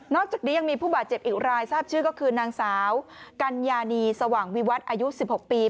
จากนี้ยังมีผู้บาดเจ็บอีกรายทราบชื่อก็คือนางสาวกัญญานีสว่างวิวัฒน์อายุ๑๖ปี